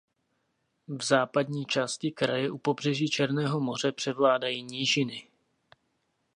V západní části kraje u pobřeží černého moře převládají nížiny.